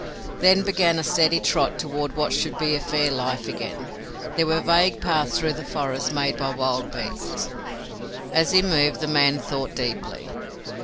Then began a steady trot toward what should be fair life again. There were vague paths through the forest made by wild beasts. As he moved the man thought deeply.